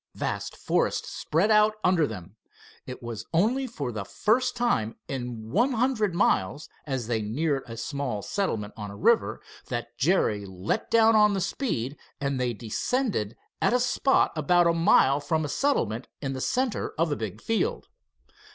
Vast forests spread out under them. It was only for the first time in one hundred miles, as they neared a small settlement on a river, that Jerry let down on the speed, and they descended at a spot about a mile from a settlement in the center of a big field.